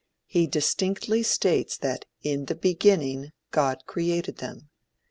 He distinctly states that in the beginning God created them.